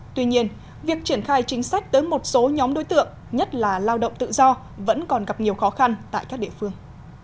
tuy nhiên việc triển khai chính sách tới một số nhóm đối tượng nhất là lao động tự do vẫn còn gặp nhiều khó khăn tại các địa phương